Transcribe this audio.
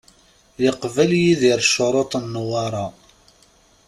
Yeqbel Yidir ccuruṭ n Newwara.